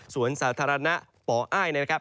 สวนสาธารณะป่ออ้ายนะครับ